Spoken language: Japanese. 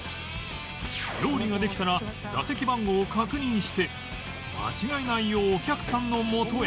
料理ができたら座席番号を確認して間違えないようお客さんのもとへ